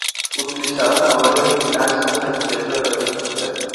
Utilizado en labores de vigilancia en el estrecho de Bering.